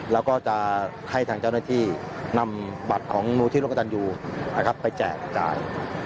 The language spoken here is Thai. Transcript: แล้วก็จะให้ทางเจ้าหน้าที่นำบัตรของมูลที่โลกจันทร์อยู่นะครับไปแจกจ่าย